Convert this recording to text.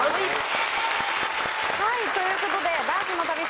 はいということで。